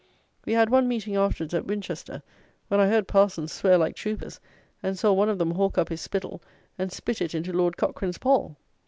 We had one meeting afterwards at Winchester, when I heard parsons swear like troopers, and saw one of them hawk up his spittle, and spit it into Lord Cochrane's poll!